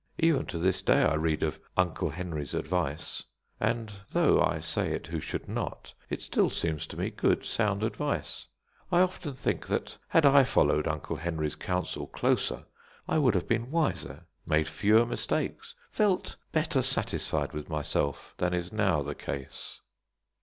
Even to this day I read of "Uncle Henry's" advice, and, though I say it who should not, it still seems to me good, sound advice. I often think that had I followed "Uncle Henry's" counsel closer I would have been wiser, made fewer mistakes, felt better satisfied with myself than is now the case.